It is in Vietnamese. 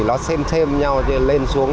nó xem thêm nhau lên xuống